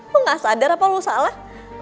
lo gak sadar apa lo salah